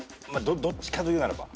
どっちかというならば。